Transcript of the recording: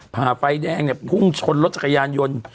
ผ่าไฟแดงเนี่ยพุ่งชนรถจักรยานยนต์